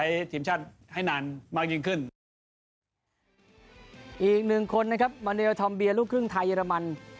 อีกหนึ่งคนนะครับมาเนียลทอมเบียรูปครึ่งไทยเยอรมัน